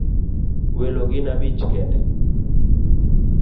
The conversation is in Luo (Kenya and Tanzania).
Welo gin abich kende